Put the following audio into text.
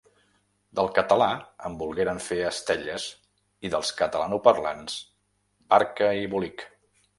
Del català en volgueren fer estelles i dels catalanoparlants barca i bolic.